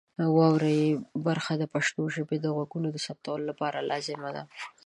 واورئ برخه د پښتو ژبې د غږونو د ثبتولو لپاره لازمه ده.